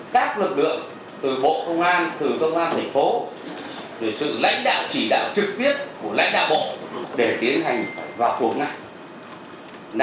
các lực lượng từ bộ công an từ công an tp từ sự lãnh đạo chỉ đạo trực tiếp của lãnh đạo bộ để tiến hành vào cuộc ngại